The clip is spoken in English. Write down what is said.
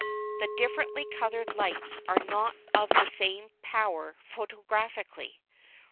The differently coloured lights are not of the same power photographically.